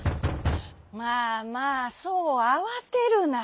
「まあまあそうあわてるな」。